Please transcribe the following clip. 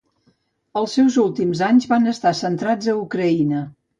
Els seus últims anys van estar centrats a Ucraïna.